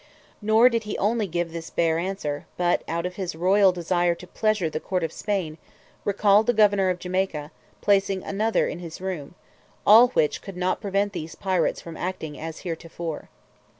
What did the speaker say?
Nor did he only give this bare answer, but out of his royal desire to pleasure the court of Spain, recalled the governor of Jamaica, placing another in his room; all which could not prevent these pirates from acting as heretofore.